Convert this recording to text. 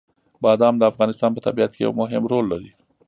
بادام د افغانستان په طبیعت کې یو مهم رول لري.